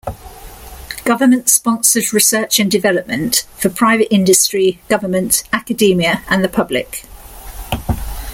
Government-sponsored research and development, for private industry, government, academia, and the public.